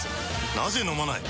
なぜ飲まない？